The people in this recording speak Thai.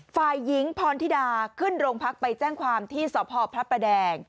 ฝ่ายหญิงพรธิดาขึ้นโรงพักไปแจ้งความที่สพพระประแดง